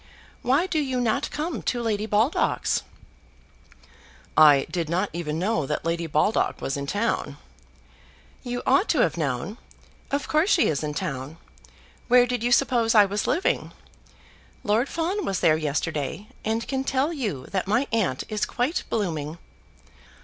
Why do you not come to Lady Baldock's?" "I did not even know that Lady Baldock was in town." "You ought to have known. Of course she is in town. Where did you suppose I was living? Lord Fawn was there yesterday, and can tell you that my aunt is quite blooming."